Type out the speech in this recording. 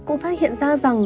cũng phát hiện ra rằng